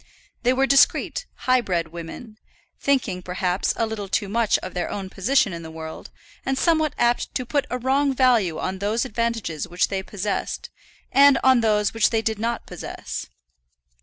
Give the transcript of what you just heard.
They were discreet, high bred women, thinking, perhaps, a little too much of their own position in the world, and somewhat apt to put a wrong value on those advantages which they possessed, and on those which they did not possess.